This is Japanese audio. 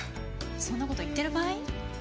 そんなこと言ってる場合？